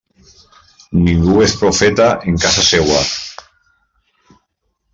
Ningú és profeta en casa seua.